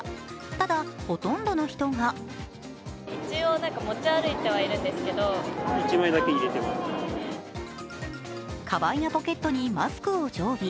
ただ、ほとんどの人がカバンやポケットにマスクを常備。